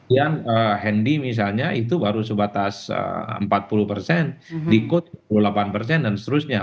dan hendi misalnya itu baru sebatas empat puluh persen diko dua puluh delapan persen dan seterusnya